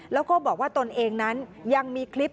แล้วก็บอกว่าตนเองนั้นยังมีคลิป